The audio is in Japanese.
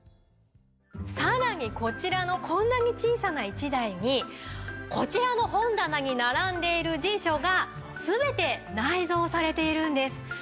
さらにこちらのこんなに小さな一台にこちらの本棚に並んでいる辞書が全て内蔵されているんです。